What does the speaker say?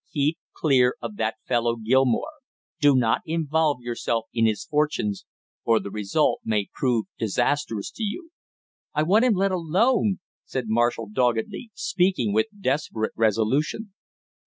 Keep clear of that fellow Gilmore, do not involve yourself in his fortunes, or the result may prove disastrous to you!" "I want him let alone!" said Marshall doggedly, speaking with desperate resolution.